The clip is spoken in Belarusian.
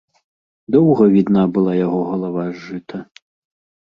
Доўга відна была яго галава з жыта.